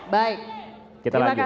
baik terima kasih